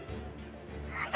私。